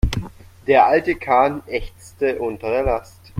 Der alte Kahn ächzte unter der Last.